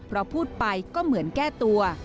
เราพูดไปก็เหมือนแก้ตัว